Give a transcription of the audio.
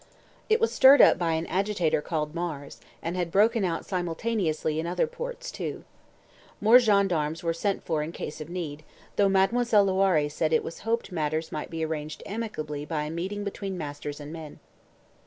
It was stirred up by an agitator called Mars, and had broken out simultaneously in other ports too. More gendarmes were sent for in case of need, though Mademoiselle Loiré said it was hoped matters might be arranged amicably by a meeting between masters and men.